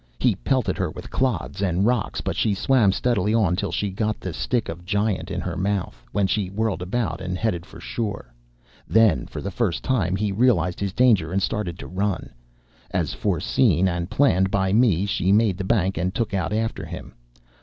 He pelted her with clods and rocks, but she swam steadily on till she got the stick of "giant" in her mouth, when she whirled about and headed for shore. Then, for the first time, he realized his danger, and started to run. As foreseen and planned by me, she made the bank and took out after him.